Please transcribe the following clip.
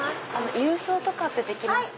郵送とかってできますか？